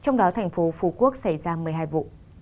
trong đó thành phố phú quốc xảy ra một mươi hai vụ